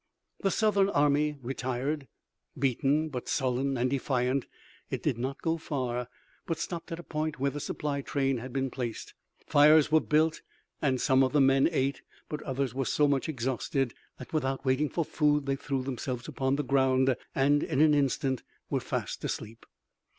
The Southern army retired, beaten, but sullen and defiant. It did not go far, but stopped at a point where the supply train had been placed. Fires were built and some of the men ate, but others were so much exhausted that without waiting for food they threw themselves upon the ground, and in an instant were fast asleep.